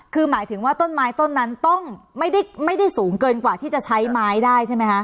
คือหมายถึงว่าต้นไม้ต้นนั้นต้องไม่ได้สูงเกินกว่าที่จะใช้ไม้ได้ใช่ไหมคะ